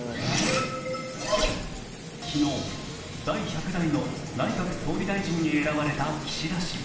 昨日、第１００代の内閣総理大臣に選ばれた岸田氏。